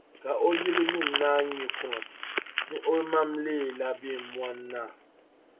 Ka o yili lun-naa ŋme kuŋa ni o mam leela Beemoni-naa.